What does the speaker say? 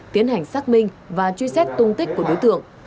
tiến hành xác minh và truy xét tung tích của đối tượng